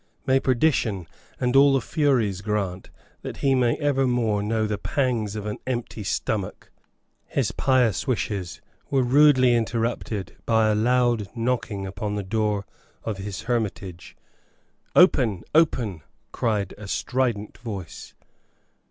"May perdition and all the furies grant that he may evermore know the pangs of an empty stomach!" His pious wishes were rudely interrupted by a loud knocking upon the door of his hermitage. "Open, open!" cried a strident voice.